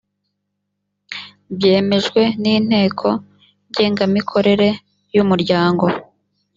byemejwe n’inteko ngengamikorere y’umuryango